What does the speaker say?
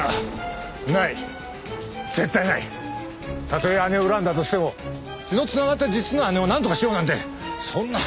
たとえ姉を恨んだとしても血の繋がった実の姉をなんとかしようなんてそんな。